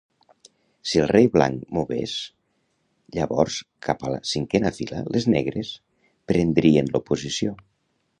Si el rei blanc mogués llavors cap a la cinquena fila, les negres prendrien l'oposició.